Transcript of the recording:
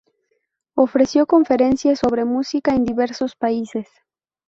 Ofreció conferencias sobre música en diversos países.